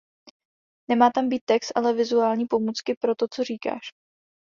Nemá tam být text, ale vizuální pomůcky pro to, co říkáš.